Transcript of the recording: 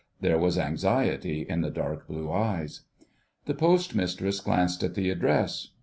There was anxiety in the dark blue eyes. The Postmistress glanced at the address.